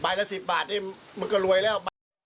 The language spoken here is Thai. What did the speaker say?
ละ๑๐บาทนี่มันก็รวยแล้ว